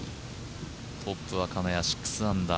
トップは金谷、６アンダー。